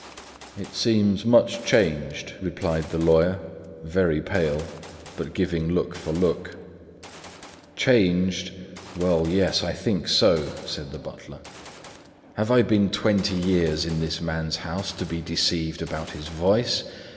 "It seems much changed," replied the lawyer, very pale, but giving look for look. "Changed? Well, yes, I think so," said the butler. "Have I been twenty years in this man's house, to be deceived about his voice?